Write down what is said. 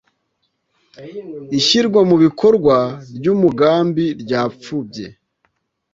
ishyirwa mu bikorwa ryumugambi ryapfubye.